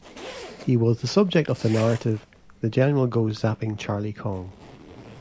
He was the subject of the narrative "The General Goes Zapping Charlie Cong".